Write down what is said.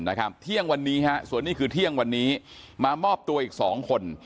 เที่ยงวันนี้ฮะส่วนนี้คือเที่ยงวันนี้มามอบตัวอีกสองคน